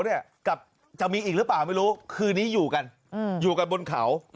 หาวหาวหาวหาวหาวหาวหาวหาวหาวหาว